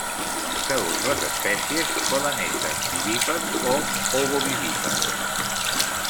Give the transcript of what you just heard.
Segons les espècies, poden ésser vivípars o ovovivípars.